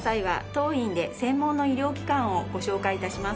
当院で専門の医療機関をご紹介致します。